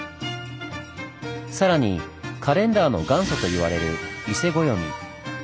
さらにカレンダーの元祖と言われる伊勢暦。